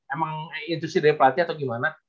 intusi dari pelatih atau gimana